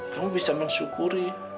kamu bisa bersyukuri